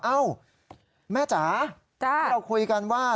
เอ้าแม่จ๋าที่เราคุยกันว่า